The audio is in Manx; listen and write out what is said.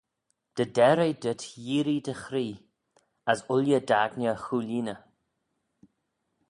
Dy der eh dhyt yeearree dty chree: as ooilley dt'aigney 'chooilleeney.